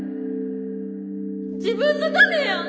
自分のためやん！